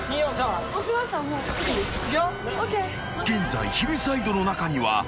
［現在ヒルサイドの中には］